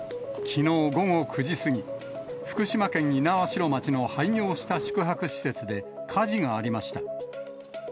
きのう午後９時過ぎ、福島県猪苗代町の廃業した宿泊施設で、火事がありました。